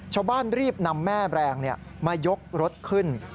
ชาวบ้านรีบนำแม่แบรนด์มายกรถขึ้น